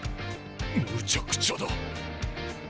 むちゃくちゃだ。